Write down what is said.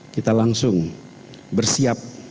kita langsung bersiap